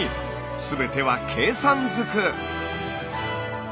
全ては計算ずく。